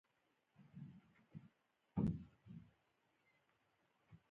اوس نو وايه چې د مولوي نعماني په باب څه مالومات لرې.